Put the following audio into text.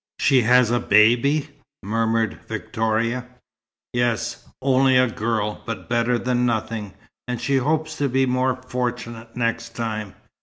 "She has a baby!" murmured Victoria. "Yes, only a girl, but better than nothing and she hopes to be more fortunate next time.